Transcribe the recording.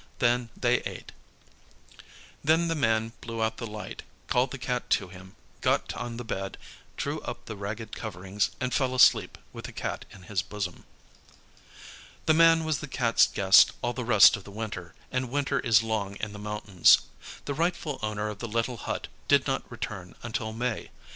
Then they ate. Then the man blew out the light, called the Cat to him, got on the bed, drew up the ragged coverings, and fell asleep with the Cat in his bosom. The man was the Cat's guest all the rest of the winter, and winter is long in the mountains. The rightful owner of the little hut did not return until May.